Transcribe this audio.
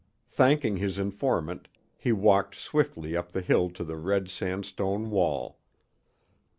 Thanking his informant, he walked swiftly up the hill to the red sandstone wall.